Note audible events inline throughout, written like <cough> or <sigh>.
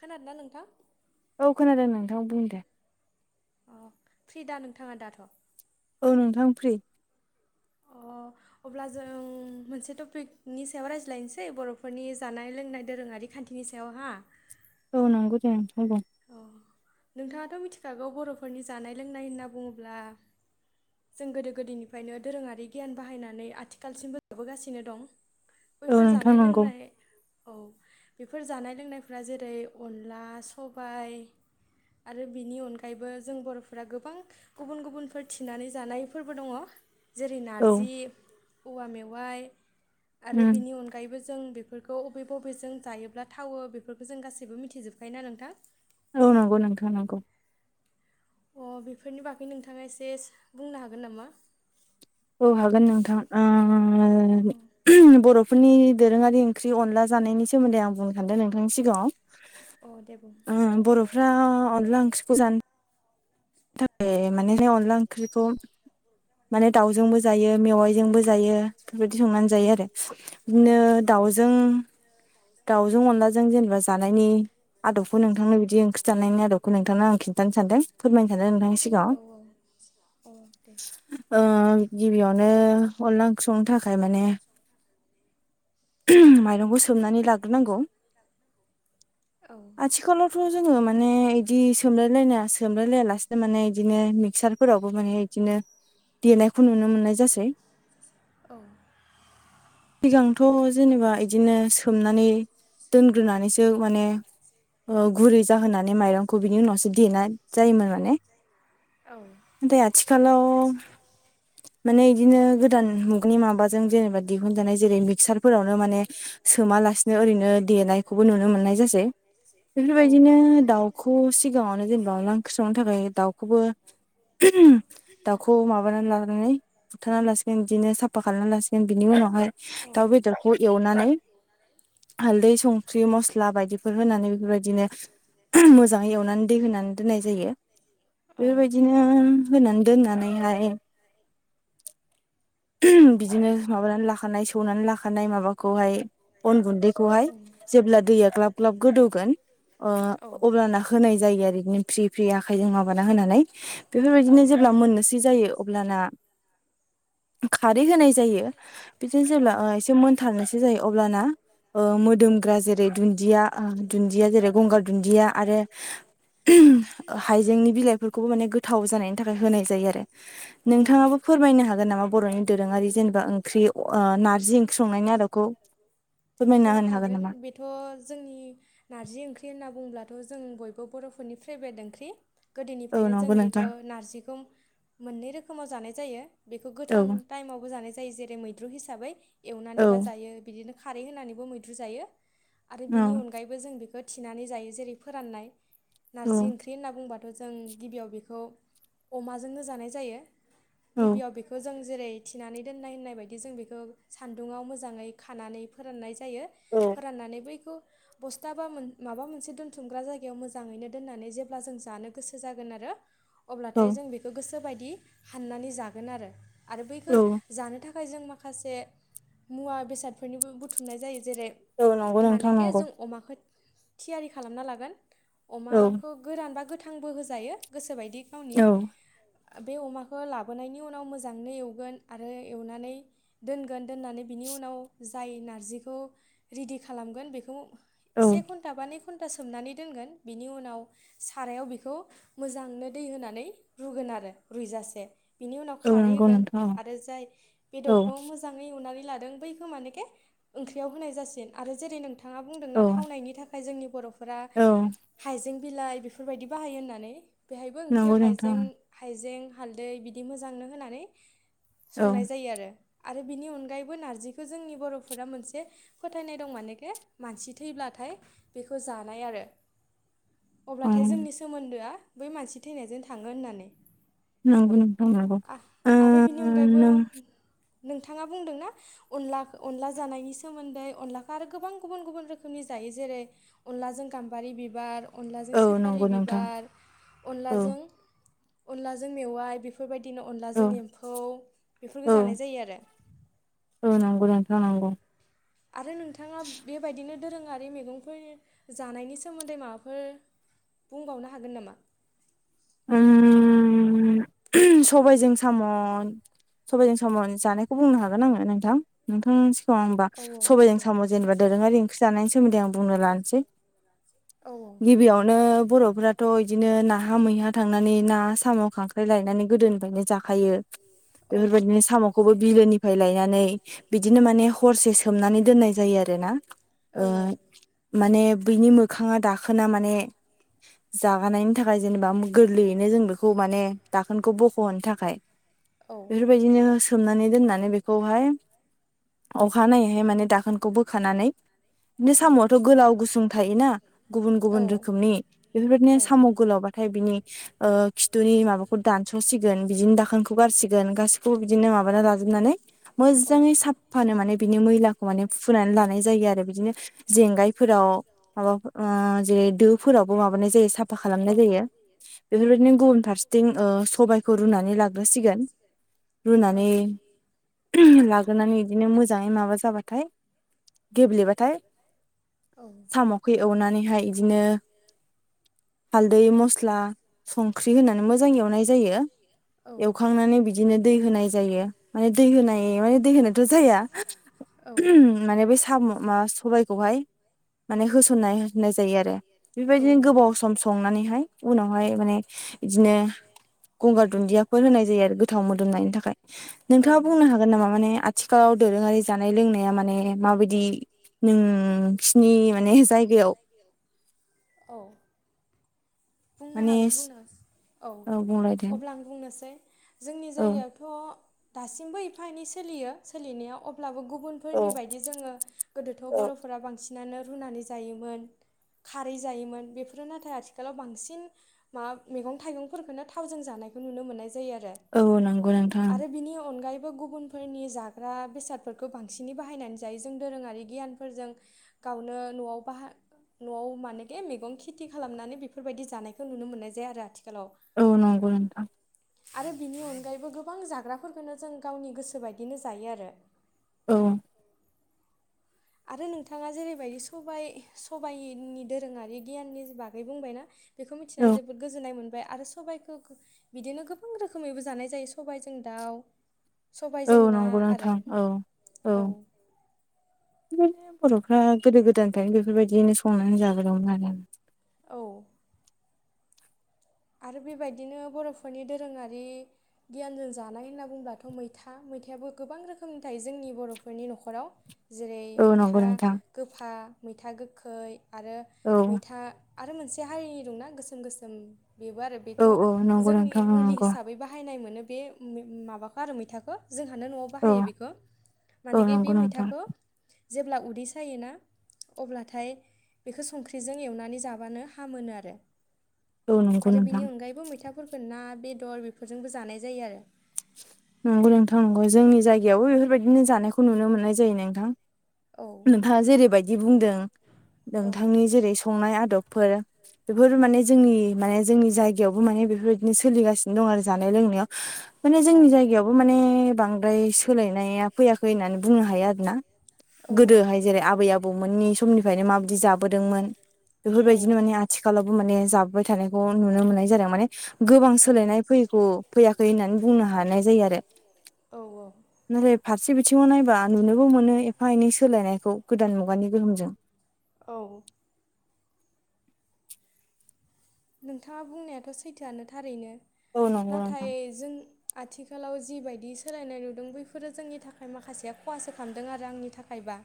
खोनादो ना नोंथां औ खोनादों नोंथाङा बुं दे अ फ्रि दा नोंथाङा दाथ' अ नोंथां फ्रि अ अब्ला जों मोनसे टपिकनि सायाव रायज्लायनोसै बर'फोरनि जानाय लोंनाय दोरोङारि खा न्थिनि सायाव हा औ नंगौ दे बुंलाय अ नोंथाङाथ' मिथिखागौ बर'फोरनि जानाय लोंनाय होनना बुङोब्ला जों गोदो गोदायनिफ्रायनो दोरोङारि गियान बाहायनानै आथिखालसिमबो जाबोगासिनो दं औ बैफोर नोंथां जानाय नंगौ लोंनाय औ बेफोर जानाय लोंनायफ जेरै अनला सबाय आरो बिनि अनगायैबो जों बर'फोरा गोबां गुबुन गुबुनफोर थिनानै जानायफोरबो दङ जेरै औ नारजि औवा मेवाइ आरो उम बिनि अनगायैबो जों जों बेफोरखौ बबे बबेजों जायोब्ला थावो बेफोरखौ जों गासैबो मिथिजोबखायोोना नोंथां औ नंगौ नोंथां नंगौ अ बेफोरनि बागै नोंथाङा एसे बुंनो हागोन नामा औ हागोन नोंथां अ ओ बर'फोरनि दोरोङारि ओंख्रि अनला जानायनि सोमोन्दै आं बुंनो सानदों नोंथांनि सिगाङाव अ दे बुं <unintelligible> अनदला ओंख्रिखौ जानो माने अनला ओंख्रिखौ माने दाउजोंबो जायो मेवाइजोंबो जायो बेफोरबायदि संनानै जायो आरो औ बिदिनो दाउजों दाउजों अनलाजों जेनेबा जानायनि आदबखौ नोंथांनो बिदि ओंख्रि जानायनायनि आदबखौ नोंथांनो आं खिन्थानो सानदों फोरमायनो सानदों नोंथां नि सिगाङाव औ औ अ दे ओ गिबियावनो अनला ओंख्रिंनो थाखाय माने औ माइरंखौ सोमनानै लाग्रोनांगौ औ आथिखालावथ' जोङो माने बिदि सोमलायलायनाया सोमलायलाया लासेनो माने बिदिनो मिक्सार फोरावबो माने इदिनो देनायखौ नुनो मोननाय जासै। औ सिगांथ' जेनेबा इदिनो सोमनानै दोनग्रोनानैसो माने ओ गुरै जाहोनानै माइरंखौ बिनि उनावसो देनानै जायोमोन माने औ ओम आथिखालाव माने इदिनो गोदान मुगनि माबाजों जेनेबा दिहुनजानाय जेरै मिक्सार फोरावनो माने सोमालासिनो ओरैनो देनायखौबो नुनो मोननाय जासै। औ बेफोरबायदिनो दाउखौ सिगाङावनो जेनेबा अनला ओंख्रि संनो थाखाय दाउखौबो दाउखौ माबानानै लाग्रोनानै बुथारना लासिगोन बिदिनो साफा खालामा लासिगोन बिनि उनावहाय औ दाउ बेदरखौ एवनानै हालदै संख्रि मस्ला बायदिफोर होनानै बेफोरबायदिनो मोजाङै एवनानै दै होनानै दोननाय जायो बेफोरबायदिनो होनानै दोननानै नैहाय बिदिनो माबानानै लाखानाय सौनानै लाखानाय माबाखौहाय अन गुन्दैखौहाय जेब्ला दैया ग्लाब ग्लाब गोदौगोन ओ अब्लाना होनाय जायो आरो बिदिनो फ्रि फ्रि आखायजों माबाना होनानै औ बेफोरबायदिनो जेब्ला मोननोसै जायो अब्लाना <inaudible> खारै होनाय जायो बिदि जेब्ला एसे मोनथारनायसो जायो अब्लाना ओ मोदोमग्रा जेरै दुन्दिया दुन्दिया जेरै गंगार दुन्दिया आरो हाइजेंनि बिलाइफोरखौबो माने गोथाव जानायनि थाखाय होनाय जायो आरो औ नोंथाङाबो फोरमायनो हागोन नामा बर'नि दोरोङा ओंख्रि ओ नारजि ओंख्रि संनायनि आदोबखौ अ हागोन बेथ' जोंनि नारजि ओंख्रि होन बुंब्लाथ' जों बयबो बर'फोरनि फेभ्रेट ओंख्रि औ गोदोनिफ्रायनो जों नंगौ नोंथां बेखौ नारजिखौ मोननै रोखोमाव जानाय जायो। बेखौ औ गोथां टाइमावबो जानाय जायो जेरै मैद्रु हिसाबै औ एवनानैबा जायो बिदिनो खारै होनानैबो मैद्रु जायो आरो औ बिनि अनायैबो जों बे खौ थिनानै जायो जेरै फोराननाय औ नारजि ओंख्रि होनना बुंबा जों गिबियाव बेखौ अमाजोंनो जानाय जायो औ गिबियाव बेखौ जों जेरै थिनानै दोननाय होननाय बायदि जों बेखौ सान्दुङाव मोजाङै खानानै फोराननाय जा जायो औ फोराननानै बैखौ बस्था बा माबा मोनसे दोनथुमग्रा जायगायाव मोजाङैनो दोननानै जेब्ला जों जानो गोसो जागोन आरो। औ अब्लाथाय जों बेखौ गोसोबायदि हाननानै जागोन आरो आरो बैखौ औ जानो थाखाय जों माखासे मुवा बेसादफोरनिबो बुथुमनाय जायो। जेरै औ नंगौ नोंथां मानेखे नंगौ जों अमाखौ थियारि खालामना लागोन। औ अमाखौ गोरान बा गोथांबो होजायो गोसोबायदि गावनि औ बे अमाखौ लाबोनायनि उनाव मोजाङै एवगोन आरो एवनानै दोनगोन दोननानै बिनि उनाव जाय नारजिखौ रेडि खालाम गोन बेखौ औ सेघन्टा बा नै घन्टा सोमनानै दोनगोन बिनि उनाव सारायाव बेखौ मोजांनो दै होनानै रुगोन। आरो रुयजासे बिनि उनाव औ खारै नंगौ होगोन नोंथां आरो जाय औ बेदरखौ मोजांङै एवनानै लादों बैखौ मानेेखे ओंख्रियाव होनाय जासिन आरो जेरै नोंथाङा औ बुंदोंना थावनायनि थाखाय जोंनि बर'फोरा औ हाइजें बिलाइ बेफोरबायदि बाहायो होननानै बेहायबो ओंख्रियाव नंगौ नोंथां हाइजें हाइजें हालदै बिदि मोजांनो होनानै औ संनाय जायो आरो। आरो बिनि अनगायैबो नारजिखौ जोंनि बर'फोरा मोनसे फोथायनाय दं मानेखे मानसि थैब्लाथ' थाय बेखौ जानाय आरो औ अब्लाथाय जोंनि सोमोन्दोआ बै मानसि थैनायजों थांगोन होननानै नोंगौ नोंथां नंगौ ओ गयबो नों <inaudible> नोंथाङा बुंदोंना ओ अनला अनला जानायनि सोमोन्दै अनलाखौ आरो गोबां गुबुन गुबुन रोखोमनि जायो जेरै ओ अनलाजों गाम्बारि बिबार अनलाजों औ सेफालि नंगौ नोंथां बिबार औ अनलाजों अनलाजों मेवाइ बेफोर बायदि बेदिनो औ अनलाजों एम्फौ बेफोरखौ औ जानाय जायो आरो औ नोंगौ नोंथां नोंगौ आरो नोंथाङा बे बायदिनो दोरोङारि मैगंफोरनि जानायनि सोमोन्दै माबाफोर बुंबावनो हागोन नामा? उम उम सबायजों साम' सबाइजों साम' जानायखौ बुंनो हागोन आङो नोंथां नोंथां होमबा औ औ सबायजों दे साम' जेनोबा दोरोङारि ओंख्रि जानायनि सोमोन्दै आं बुंनो लानिसै औ गिबियावनो बर'फोराथ' इदिनो नाहा मैहा थांनानै ना साम' खांख्राइ लायनानै गोदोनिफायनो जाखायो औ बेफोरबायदिनो साम'खौबो बिलोनिफ्राय लायनानै बिदिनो माने हम हरसे सोमनानै दोननाय जायो आरो ना औ ओ माने बैनि मोखांआ दाखोना माने जागानायनि थाखाय जेनोबा मो गोरलैयैनो जों बेखौ माने दाखोनखौ बख'नो थाखाय औ बेफोरबायदिनो सो सोमनानै दोननानै बेखौहाय ओ अखानायैहाय माने दाखोनखौ बोखानानै बिदिनो नो साम'आथ' गोलाव गुसुं थायोना गुबुन गुबुन औ रोखोमनि बेफोरबायदिनो औ औ साम' गोलाव लावबाथाय बिनि ओ खिथुनि माबाख स'सिगोन बिदिनो दाखोनखौ खौ गारसिगोन गासिखौबो बिदिनो माबाना लाजुबनानै मोजाङै साफानो माने बिनि मैलाखौ माने फुनानै लानाय जायो आरो बिदिनो जेंगायफोराव माबाफोराव ओ जेरै दोफोरावबो माबानाय जायो साफा खालामनाय जायो बेफोरबायदिनो गुबुन फारसेथिं उम ओ सबायखौ रुनानै लाग्रोसिगोन रुनानै ओ लाग्रोनानै इदिनो मोजाङै माबा जाबाथाय गेब्लेबाथाय साम'खौ एवनानैहाय इदिनो हालदै मस्ला संख्रि होनानै मोजां एवनाय जायो एवखांनानै बिदिनो दै होनाय जायो माने दै होनाय ओ माने दै होनायथ' जाया माने बै साम' माबा सबायखौहाय माने होसनना होनाय जायो आरो बेबायदिनो गोबाव सम संनानैहाय उनावहाय मानि बिदिनो गंगार दुन्दियाफोर होनाय जायो आरो गोथाव मोदोमनायनि थाखाय औ नोंथांआ बुंनो हागोन नामा माने आथिखालाव दोरोंआरि जानाय लोंनाया माने माबायदि नोंसिनि माने जायगायाव औ बुंनो माने हागोन बुंनोसो औ बुंलाय दे अब्ला आं बुंनोसै जोंनि औ जायगायावथ' दासिमबो एफा एनै सोलियो सोलिनाया अब्लाबो गुब औ बुनफोरनि बादि जोङो गोदोथ' बर'फोरा बांसि नानो रुनानै जायोमोन खारै जायोमोन बेफोरो नाथाय आथिखालाव बां सिन माबा मैगं थाइगंफोरखोनो थावजों जानायखौ नुनो मोननाय जा जायो आरो औ नंगौ नोंथां आरो बिनि अनगायैब बो गुबुनफोरनि जाग्रा बेसादफोरखौ बांसिनै बाहायनानै जायो जों दोरोङारि गियानफोरजों गावनो न'आव बाहा न'आव मानेकि मेगं खेथि खालामनानै बेफो फोरबायदि जानायखौ नुनो मोननाय जाया आरो आथि औ नंगौ नोंथां आरो बिनि अनगायैबो गोबां जाग्राफोरखोनो जों गावनि गोसोबायदिनो जायो आरो औ आरो नोंथाङा जेरैबायदि सबाय सबायनि दोरोङारि गियाननि बागै बुंबायना बेखौ मिथिनानै औ जोबोद गोजोननाय मोन बाय आरो सबाइखोखो बिदिनो गोबां रोखोमैबो जानाय जायो सबायजों दाव औ नंगौ नोंथां औ औ बेबादिनो बर'फ्रा गोदो गोदायनिफायनो बेफोरबायदियैनो संनानै जाबोदोंमोन आरो औ आरो बेबायदिनो बर'फोरनि दोरोङारि गियानजों जानाय होनना बुंब्लाथ' मैथा मैथायाबो गोबां रोखोमनि थायो जोंनि बर'फोरनि न'खराव जेरै औ नंगौ मैथा नोंथां गोफा मैथा गोखै आरो औ मैथा आरो मोनसे हारिनि दंना गोसोम गोसोम बेबो आरो बेथ' औ औ नंगौ जोंनि नोंथां मुलि नंगौ हिसाबै बाहायनाय मोनो बे मा-माबाखौ आरो मैथाखौ जोंहानो न'आव औ बाहायो बेखौ औ मानखे नंगौ बे नोंथां मैथाखौ जेब्ला उदै सायोना अब्लाथाय बेखौ संख्रिजों एवनानै जाबानो हामोनो आरो। औ नंगौ आरो नोंथां बिनि अनगायैबो मैथाफोरखौ ना बेदर बेफोरजोंबो जानाय जायो आरो। नंगौ नोंथां नंगौ जोंनि जायगायावबो बेफोरबायदिनो जानायखौ नुनो मोननाय जायो नोंथां। औ नोंथांङा जेरैबायदि बुंदों औ नोंथांनि जेरै संनाय आदबफोर बेफोर माने जोंनि माने जोंनि जायगायावबो माने बेफोरबायदिनो सोलिगासिनो दं आरो जानाय लोंनायाव माने जोंनि जायगायावबो माने बांद्राय सोलायनाया फैयाखै होननानै बुंनो हायो आरो ना। अ औ गोदोहाय जेरै आबै आबौमोननि समनिफ्रायनो माबायदि जाबोदोंमोन। औ बेफोरबायदिनो माने आथिखालावबो माने जाब जाबोबाय थानायखौ नुनो मोननाय जादों माने गोबां औ सोलायनाय फैयैखौ फैयाखै होननानै बुंनो हानाय जायो आरो औ औ नाथाय फारसे बिथिङाव नायबा नुनोबो मोनो एफा एनै सोलायनायखौ गोदान मुगानि गोहोमजों। औ। नोंथांङा बुंनायाथ' सैथोआनो थारैनो औ नंगौ नोंथां नाथाय जों आथिखालाव जिबायायदि सोलायनाय नुदों बैफोरो जोंनि थाखाय माखासे खहासो खालामदों आरो आंनि थाखायबा।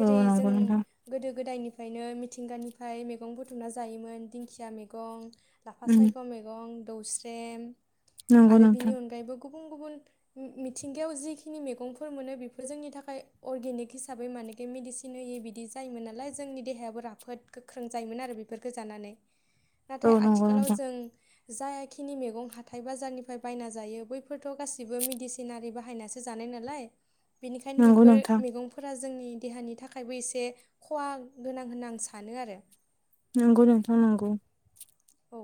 औ नंगौ जों नोंथां गोदो गोदायनिफ्रायनो मिथिंगानिफ्राय मैगं बुथुमना जायोमोन दिंखि या मैगं लाफा उम सायख' मैगं दौस्रेम नंगौ आरो बिनि नोंथां अनगायैबो गुबुन गुबुन मिथिंगायाव जिखिनि मैगंफोर मोनो बेफोर जोंनि थाखाय अर्गेनिक हिसाबै मा मानोखि मेडिसिन होयो बिदि जायोमोन नालाय जोंनि देहायाबो राफोद गोख्रों जायोमोन आरो बेफोरखौ जानानै। औ नाथाय नंगौ आथिखालाव नोंथां जों जाखिनि मैगं हाथाय-बाजारनिफ्राय बायना जायो बैफोरथ' गासिबो मेडिसिनारि बाहायनासो जानाय नालाय बेनिखायनो नंगौ बेफोर नोंथां मैगंफोरा जोंनि देहानि थाखायबो एसे खहा गोनां होनना आं सानो आरो। नंगौ नोंथां नंगौ। औ।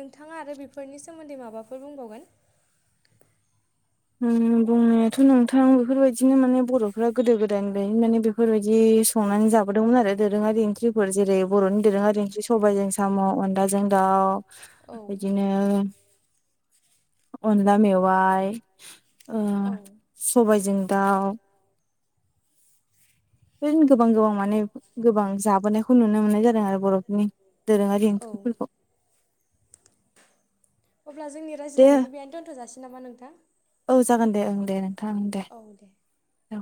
नोंथाङा आरो बेफोरनि सोमोन्दै माबाफोर बुंबावगोन? उम बुंनायाथ' नोंथां बेफोरबायदिनो माने बर'फ्रा गोदो गोदायनिफ्राय माने बेफोरबायदि संनानै जोदोंमोन आरो दोरोङारि ओंख्रिफोर जेरै बर'नि दोरोङारि ओंख्रि सबबायजों साम' अनलाजों दा दाउ औ बिदिनो अनला मेवाइ ओ औ सबायजों दाउ। बेबायदिनो गोबां गोबां माने गोबां जाबोनायखौ नुनो मोननाय जादों आरो बर'फोरनि दोरोङारि औ ओंख्रिफोरखौ। अब्ला जोंनि दे रायज्लायनायखौ बेहनो दोनथ'जासै नामा नोंथां? औ जागोन दे ओं दे नोंथां ओ दे औ।